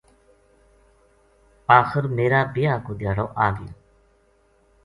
آخر میرا بیاہ کو دھیاڑو آ گیو